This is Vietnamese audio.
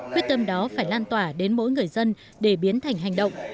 quyết tâm đó phải lan tỏa đến mỗi người dân để biến thành hành động